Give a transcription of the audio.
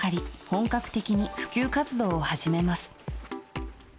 本格的に普及活動を始めます。